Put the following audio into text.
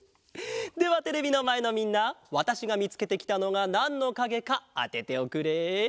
ではテレビのまえのみんなわたしがみつけてきたのがなんのかげかあてておくれ。